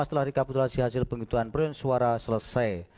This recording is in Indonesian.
setelah rekapitulasi hasil penghitungan priuk suara selesai